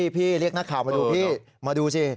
พี่เรียกนักข่าวมาดูพี่มาดูสิ